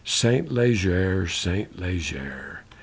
Saint Leger, Saint Leger.